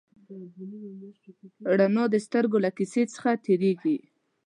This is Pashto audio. رڼا د سترګو له کسي څخه تېرېږي.